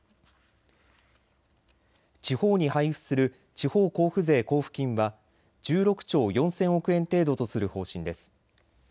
地方に配付する地方交付税交付金は１６兆４０００億円程度とする方針です。